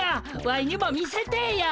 ワイにも見せてえや。